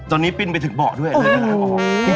ตอนนี้ปิ้นไปถึงเบาะด้วยเลยเวลาออก